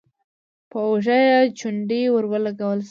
په اوږه يې چونډۍ ور ولګول شوه: